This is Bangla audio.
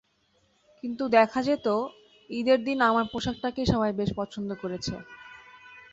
কিন্তু দেখা যেত, ঈদের দিন আমার পোশাকটাকেই সবাই বেশ পছন্দ করেছে।